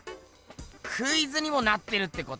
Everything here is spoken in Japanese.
クイズにもなってるってことな？